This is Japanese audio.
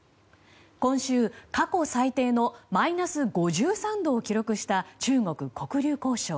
今週、過去最低のマイナス５３度を記録した中国・黒竜江省。